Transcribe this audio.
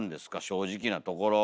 正直なところ。